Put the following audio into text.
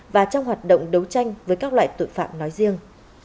và trong hoạt động đấu tranh với các loại tội phạm nói riêng